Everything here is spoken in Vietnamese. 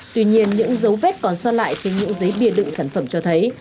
tuy nhiên những dấu vết còn so lại trên những giấy bia đựng sản phẩm cho thấy